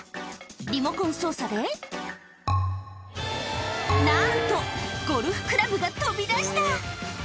リモコン操作で、なんと、ゴルフクラブが飛び出した。